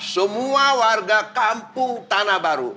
semua warga kampung tanah baru